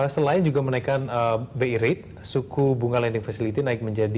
selain juga menaikan bireit suku bunga lending facility naik menjadi delapan ya